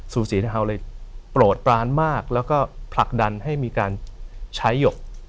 ูสีเทาเลยโปรดร้านมากแล้วก็ผลักดันให้มีการใช้หยก